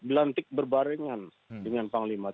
berlantik berbarengan dengan panglima tni